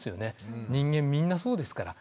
人間みんなそうですから。